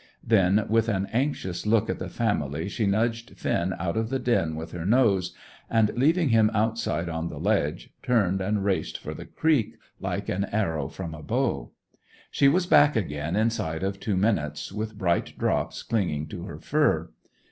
Then with an anxious look at the family she nudged Finn out of the den with her nose, and, leaving him outside on the ledge, turned and raced for the creek, like an arrow from a bow. She was back again inside of two minutes with bright drops clinging to her fur.